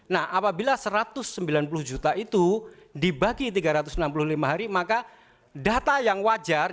nah apabila satu ratus sembilan puluh juta itu dibagi tiga ratus enam puluh lima hari maka data yang wajar